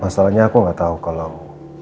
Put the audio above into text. masalahnya aku nggak tahu kalau